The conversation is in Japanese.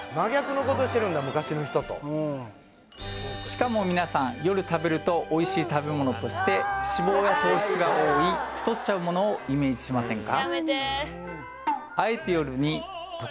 しかもみなさん夜食べるとおいしい食べ物として脂肪や糖質が多い太っちゃうものをイメージしませんか？